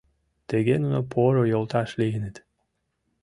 Тыге нуно поро йолташ лийыныт.